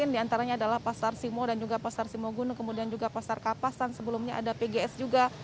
di antaranya adalah pasar simo dan juga pasar simogunu kemudian juga pasar kapasan sebelumnya ada pgs juga